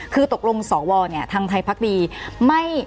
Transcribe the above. คือตกลงสอวทางไทยภาคดี